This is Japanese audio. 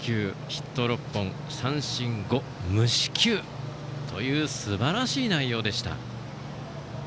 ヒット６本、三振５無四球というすばらしい内容でした。